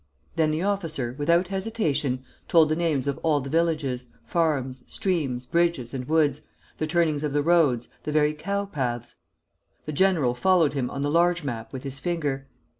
Then the officer, without hesitation, told the names of all the villages, farms, streams, bridges, and woods, the turnings of the roads, the very cow paths. The general followed him on the large map with his finger.